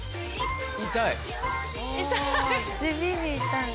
痛い。